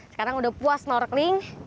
sekarang udah puas snorkeling